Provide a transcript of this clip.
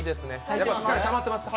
やっぱりたまってますか？